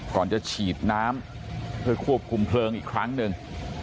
ก่อนจะฉีดน้ำเพื่อควบคุมเพลิงอีกครั้งหนึ่ง